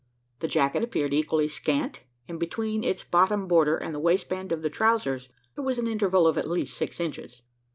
The jacket appeared equally scant; and between its bottom border and the waistband of the trousers, there was an interval of at least six inches.